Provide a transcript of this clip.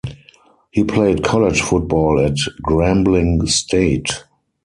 He played college football at Grambling State.